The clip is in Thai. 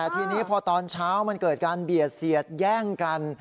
ทีนี้พอตอนเช้ามันเกิดการเบียดเสียดแย่งกัน